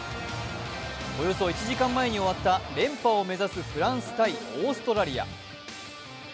およそ１時間前に終わった連覇を目指すフランス×オーストラリア。